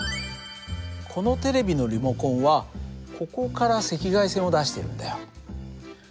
このテレビのリモコンはここから赤外線を出してるんだよ。